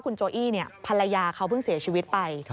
คุณโจอี้ภรรยาเขาเพิ่งเสียชีวิตไป